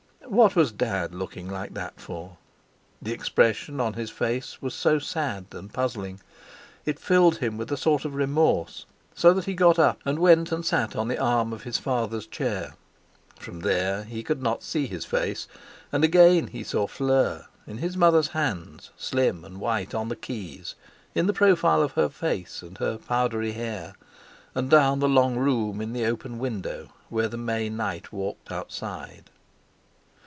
What was Dad looking like that for? The expression on his face was so sad and puzzling. It filled him with a sort of remorse, so that he got up and went and sat on the arm of his father's chair. From there he could not see his face; and again he saw Fleur—in his mother's hands, slim and white on the keys, in the profile of her face and her powdery hair; and down the long room in the open window where the May night walked outside.